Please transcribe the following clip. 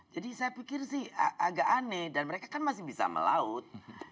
jadi saya pikir sih agak aneh dan mereka kan masih bisa melaut